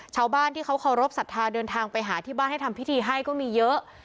ชาวบ้านที่เขาเคารพสัทธาเดินทางไปหาที่บ้านให้ทำพิธีให้ก็มีเยอะ